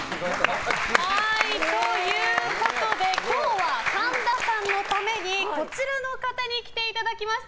ということで今日は神田さんのためにこちらの方に来ていただきました。